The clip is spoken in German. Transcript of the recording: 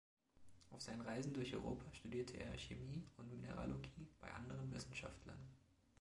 Auf seinen Reisen durch Europa studierte er Chemie und Mineralogie bei anderen Wissenschaftlern.